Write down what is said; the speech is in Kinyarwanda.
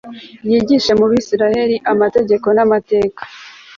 yigishe mu bisirayeli amategeko n amateka